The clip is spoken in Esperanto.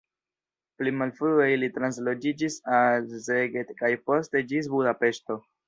Pli malfrue ili transloĝiĝis al Szeged kaj poste ĝis Budapeŝto.